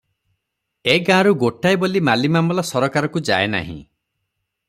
ଏ ଗାଁରୁ ଗୋଟାଏ ବୋଲି ମାଲିମାମଲା ସରକାରକୁ ଯାଏ ନାହିଁ ।